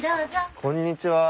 こんにちは。